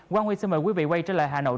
quang huy xin mời quý vị quay trở lại hà nội